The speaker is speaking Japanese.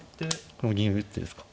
これも銀打ってですか。